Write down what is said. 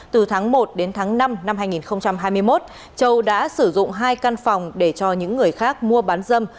từ tháng một đến tháng năm năm hai nghìn hai mươi một châu đã sử dụng hai căn phòng để cho những người khác mua bán dâm